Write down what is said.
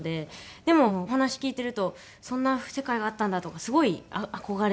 でもお話聞いてるとそんな世界があったんだとかすごい憧れます。